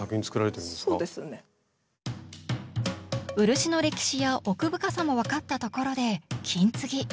漆の歴史や奥深さも分かったところで金継ぎ。